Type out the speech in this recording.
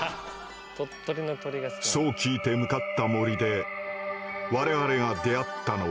そう聞いて向かった森で我々が出会ったのは。